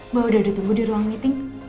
mbak udah ditunggu di ruang meeting